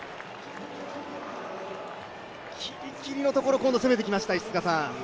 ギリギリのところ、今度は攻めてきました。